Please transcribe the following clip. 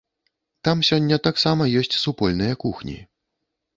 Там сёння таксама ёсць супольныя кухні.